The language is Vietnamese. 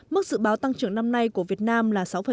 mức dự báo tăng trưởng năm nay của việt nam là sáu bảy